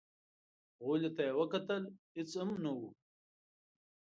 غولي ته يې وکتل، هېڅ هم نه و.